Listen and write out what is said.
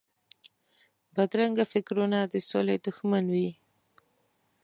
بدرنګه فکرونه د سولې دښمن وي